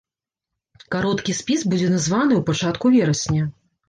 Кароткі спіс будзе названы ў пачатку верасня.